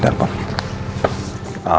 siapa ada pak